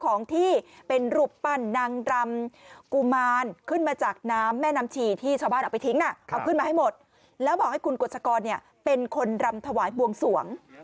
ออกขึ้นมาให้หมดแล้วบอกให้คุณกฏชกรเป็นคนลำถวายบวงสวง